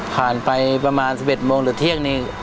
ผ่านไปประมาณ๑๑โมงหรือเที่ยงนี้